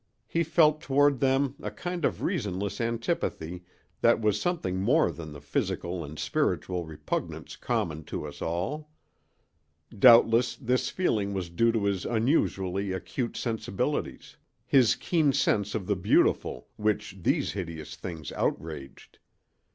He felt toward them a kind of reasonless antipathy that was something more than the physical and spiritual repugnance common to us all. Doubtless this feeling was due to his unusually acute sensibilities—his keen sense of the beautiful, which these hideous things outraged.